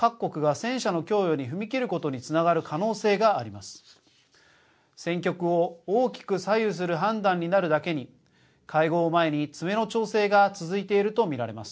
戦局を大きく左右する判断になるだけに会合を前に詰めの調整が続いていると見られます。